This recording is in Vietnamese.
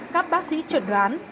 các bác sĩ chuẩn đoán